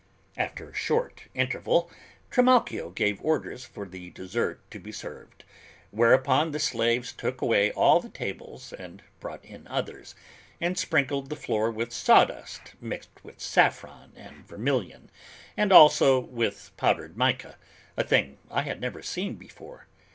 After a short interval, Trimalchio gave orders for the dessert to be served, whereupon the slaves took away all the tables and brought in others, and sprinkled the floor with sawdust mixed with saffron and vermilion, and also with powdered mica, a thing I had never seen done before.